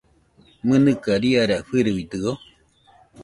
¿Mɨnɨka riara fɨruidɨo?